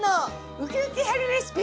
ウキウキ春レシピ。